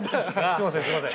すみませんすみません。